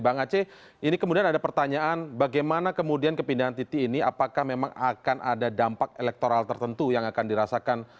bang aceh ini kemudian ada pertanyaan bagaimana kemudian kepindahan titi ini apakah memang akan ada dampak elektoral tertentu yang akan dirasakan